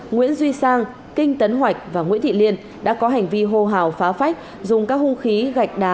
nguyễn duy sang kinh tấn hoạch và nguyễn thị liên đã có hành vi hô hào phá phách dùng các hung khí gạch đá